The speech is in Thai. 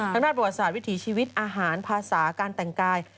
ด้านประวัติศาสตร์วิถีชีวิตอาหารภาษาการแต่งกาย